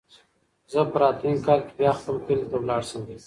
زه به په راتلونکي کال کې بیا خپل کلي ته لاړ شم.